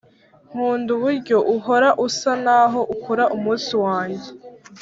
nkunda uburyo uhora usa naho ukora umunsi wanjye